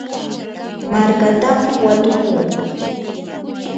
markatam watukuu.